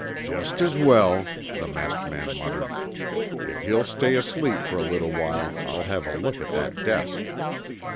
"Just as well," the masked man muttered. "If he'll stay asleep for a little while I'll have a look at that desk."